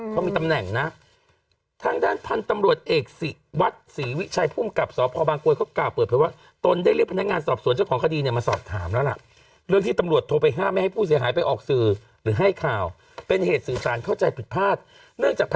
อืมเขามีตำแหน่งนะทางด้านทำตำรสวรรค์เอก